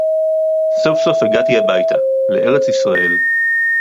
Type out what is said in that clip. סוף־סוף הגעתי הביתה, לארץ־ישראל.